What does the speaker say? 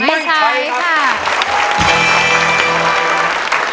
ไม่ใช่ค่ะ